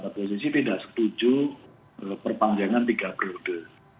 posisi tidak setuju perpanjangan tiga periode